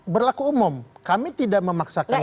berlaku umum kami tidak memaksakan